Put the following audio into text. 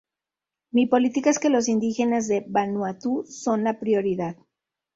Mi política es que los indígenas de Vanuatu son la prioridad".